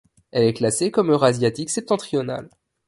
Elle est classée comme eurasiatique septentrional.